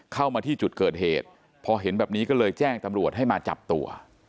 เข้ามาที่จุดเกิดเหตุพอเห็นแบบนี้ก็เลยแจ้งตำรวจให้มาจับตัว